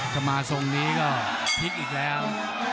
จะมาทรงนี้ก็พลิกอีกแล้ว